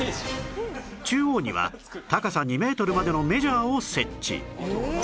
中央には高さ２メートルまでのメジャーを設置